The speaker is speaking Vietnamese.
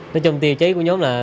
nói chung tiêu chí của nhóm là